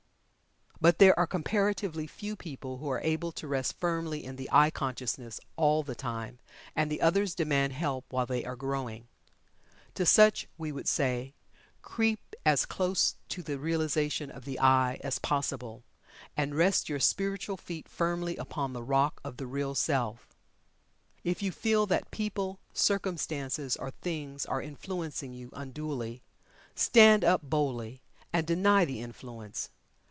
But, there are comparatively few people who are able to rest firmly in the "I" consciousness all the time and the others demand help while they are growing. To such, we would say "Creep as close the Realization of the I, as possible, and rest your spiritual feet firmly upon the rock of the Real Self." If you feel that people, circumstances, or things are influencing you unduly, stand up boldly, and deny the influence.